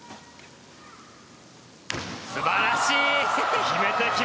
素晴らしい！